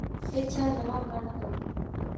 هېچا ځواب رانه کړ.